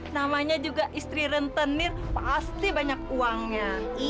sampai jumpa di video selanjutnya